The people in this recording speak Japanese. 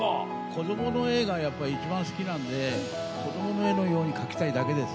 子どもの絵がやっぱ一番好きなんで子どもの絵のように描きたいだけです。